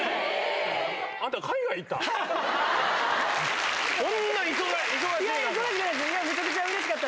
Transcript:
あんた海外行った？